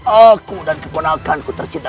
aku dan keponakanku tercinta